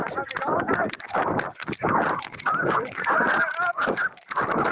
สุดท้ายรัก